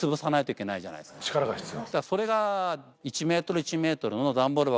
それが。